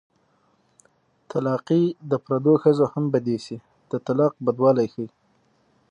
طلاقي د پردو ښځو هم بد ايسي د طلاق بدوالی ښيي